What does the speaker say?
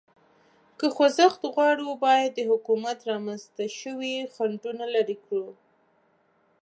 که خوځښت غواړو، باید د حکومت رامنځ ته شوي خنډونه لرې کړو.